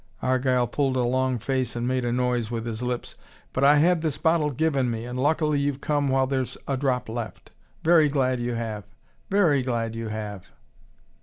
Argyle pulled a long face, and made a noise with his lips. "But I had this bottle given me, and luckily you've come while there's a drop left. Very glad you have! Very glad you have."